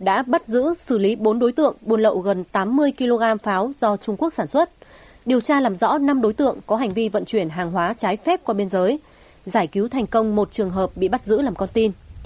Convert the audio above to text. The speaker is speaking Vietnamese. đã bắt giữ xử lý bốn đối tượng buôn lậu gần tám mươi kg pháo do trung quốc sản xuất điều tra làm rõ năm đối tượng có hành vi vận chuyển hàng hóa trái phép qua biên giới giải cứu thành công một trường hợp bị bắt giữ làm con tin